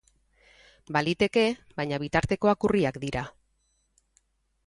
Baliteke, baina bitartekoak urriak dira.